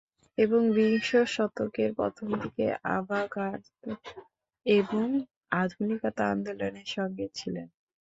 এবং বিশ শতকের প্রথমদিকের আভা-গার্দ এবং আধুনিকতা আন্দোলনের সঙ্গে ছিলেন।